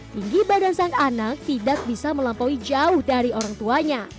tinggi badan sang anak tidak bisa melampaui jauh dari orang tuanya